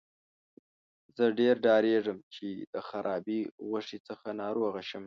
زه ډیر ډاریږم چې د خرابې غوښې څخه ناروغه شم.